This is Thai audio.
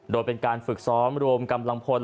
โดยเป็นการฝึกซ้อมรวมกำลังพล